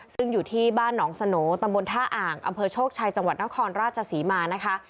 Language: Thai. ซึ่งอยู่ที่บ้านหนองสโหนตำบลท่าอ่างอำเภอโชคชัยจังหวัดนครราชศรีมานะคะ